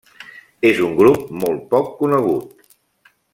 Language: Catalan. És un grup molt poc conegut.